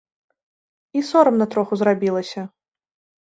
І сорамна троху зрабілася.